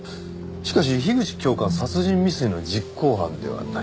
しかし樋口教官殺人未遂の実行犯ではない。